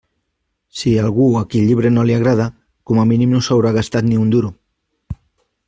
Si hi ha algú a qui el llibre no li agrada, com a mínim no s'haurà gastat ni un duro.